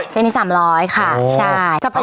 เส้นนี้๓๐๐ค่ะใช่